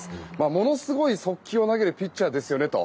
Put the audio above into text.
ものすごい速球を投げるピッチャーですよねと。